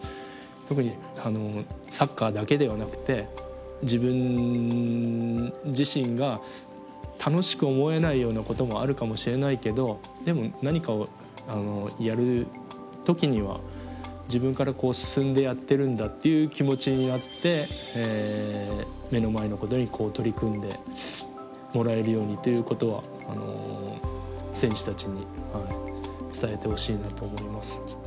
特にサッカーだけではなくて自分自身が楽しく思えないようなこともあるかもしれないけどでも何かをやる時には自分から進んでやってるんだっていう気持ちになって目の前のことに取り組んでもらえるようにということは選手たちに伝えてほしいなと思います。